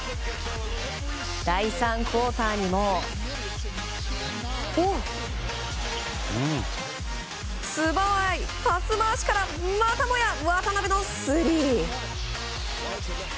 第３クオーターにも素早いパス回しからまたもや渡邊のスリー！